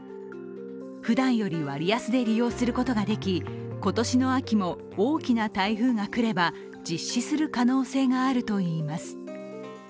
ふだんより割安で利用することができ、今年の秋も大きな台風が来れば実施する可能性があるといいます。